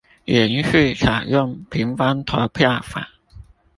延續採用平方投票法